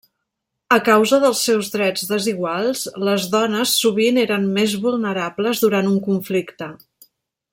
A causa dels seus drets desiguals, les dones sovint eren més vulnerables durant un conflicte.